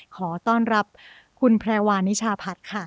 ขอต้อนรับคุณแพรวานิชาพัฒน์ค่ะ